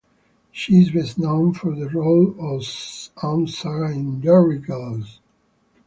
She is best known for her role as Aunt Sarah in "Derry Girls".